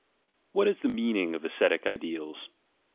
What is the meaning of ascetic ideals?